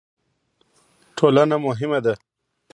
ټولنه مهمه ده.